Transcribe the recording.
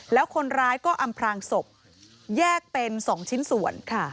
แล้วคนร้ายก็อำพลางศพแยกเป็น๒ชิ้นส่วนค่ะ